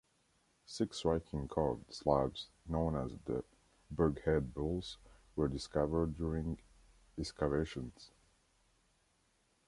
Six striking carved slabs known as the "Burghead Bulls" were discovered during excavations.